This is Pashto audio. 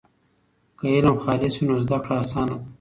که علم خالص وي نو زده کړه اسانه ده.